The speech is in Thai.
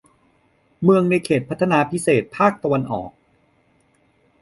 เมืองในเขตพัฒนาพิเศษภาคตะวันออก